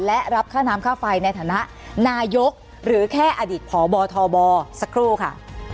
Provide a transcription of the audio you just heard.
และรับค่าน้ำค่าไฟในฐานะนายกหรือแค่อดีตพบทบสักครู่ค่ะ